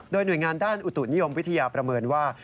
โดยหน่วยงานด้านอุตุนิยมวิทยาประเมินว่า